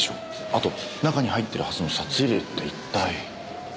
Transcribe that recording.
あと中に入ってるはずの札入れって一体。